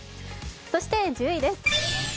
そして１０位です。